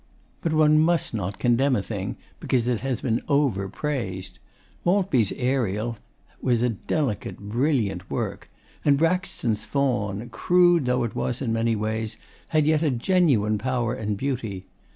But one must not condemn a thing because it has been over praised. Maltby's 'Ariel' was a delicate, brilliant work; and Braxton's 'Faun,' crude though it was in many ways, had yet a genuine power and beauty.